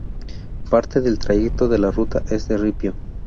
Parte del trayecto de la ruta es de ripio.